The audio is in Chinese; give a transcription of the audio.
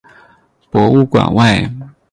博物馆外